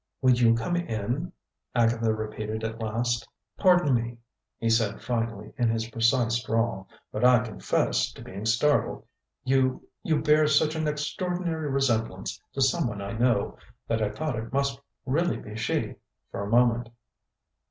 "Will you come in?" Agatha repeated at last. "Pardon me," he said finally in his precise drawl, "but I confess to being startled. You you bear such an extraordinary resemblance to some one I know, that I thought it must really be she, for a moment."